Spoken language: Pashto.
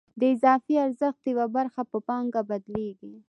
د اضافي ارزښت یوه برخه په پانګه بدلېږي